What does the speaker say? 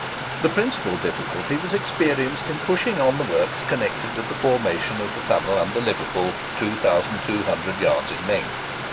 The principal difficulty was experienced in pushing on the works connected with the formation of the tunnel under Liverpool, 2200 yards in length.